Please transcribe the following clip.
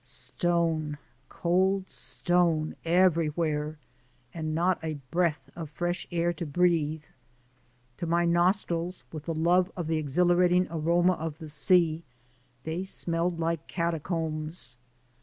Stone, cold stone everywhere, and not a breath of fresh air to breathe. To my nostrils, with the love of the ex hilarating aroma of the sea, they smelled like cat acombs.